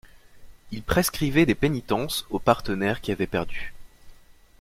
Il prescrivait des pénitences aux partenaires qui avaient perdu.